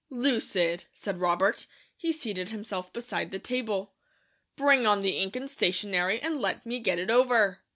"Lucid!" said Robert. He seated himself beside the table. "Bring on the ink and stationary, and let me get it over."